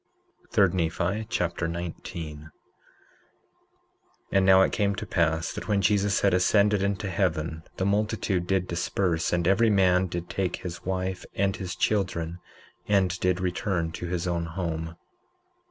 3 Nephi Chapter 19 19:1 And now it came to pass that when Jesus had ascended into heaven, the multitude did disperse, and every man did take his wife and his children and did return to his own home.